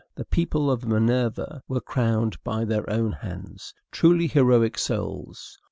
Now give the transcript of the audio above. The people of Minerva were crowned by their own hands. Truly heroic souls!